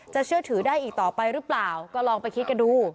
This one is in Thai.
เชื่อถือได้อีกต่อไปหรือเปล่าก็ลองไปคิดกันดู